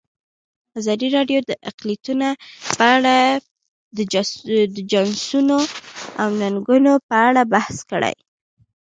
ازادي راډیو د اقلیتونه په اړه د چانسونو او ننګونو په اړه بحث کړی.